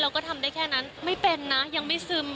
เราก็ทำได้แค่นั้นไม่เป็นนะยังไม่ซึม